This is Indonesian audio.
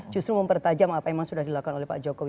justru mempertajam apa yang sudah dilakukan oleh pak jokowi